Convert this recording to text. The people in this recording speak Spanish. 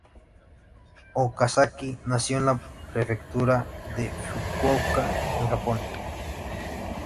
Okazaki nació en la prefectura de Fukuoka en Japón.